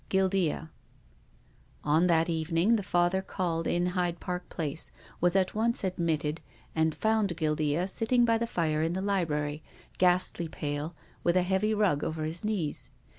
Guil dea." On that evening the Father called in Hyde Park Place, was at once admitted, and found Guil dea sitting by the fire in the library, ghastly pale, with a heavy rug over his knees.